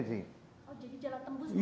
jadi jalan tembus